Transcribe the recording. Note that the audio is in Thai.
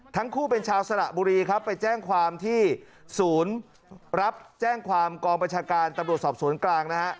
ทั้งคู่เป็นชาวสระบุรีครับไปแจ้งความที่ศูนย์รับแจ้งความกองประชาการตำรวจสอบสวนกลางนะฮะ